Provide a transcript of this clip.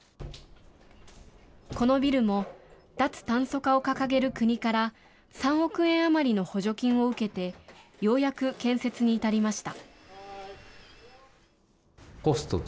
このビルも、脱炭素化を掲げる国から、３億円余りの補助金を受けて、ようやく建設に至りました。